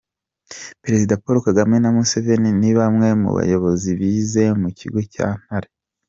Perezida Paul Kagame na Museveni ni bamwe mu bayobozi bize mu kigo cya Ntare.